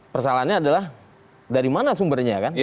persoalannya adalah dari mana sumbernya kan